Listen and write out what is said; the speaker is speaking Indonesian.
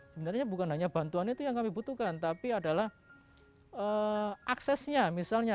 sebenarnya bukan hanya bantuan itu yang kami butuhkan tapi adalah aksesnya misalnya